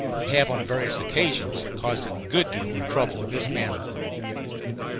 They have on various occasions caused a good deal of trouble in this manner.